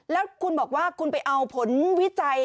แล้วคุณบอกว่าคุณไปเอาผลวิจัย